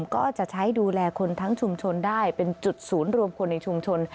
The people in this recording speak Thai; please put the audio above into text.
ก็จะใช้ดูแลคนทั้งชุมชนได้เป็นจุดศูนย์รวมคนในชุมชน